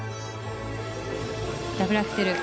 ダブルアクセル。